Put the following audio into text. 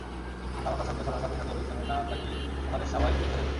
ধামাকার শব্দ শোনার সাথে সাথে পেছনে না তাকিয়ে ওখানের সবাই বেরিয়ে যাবি।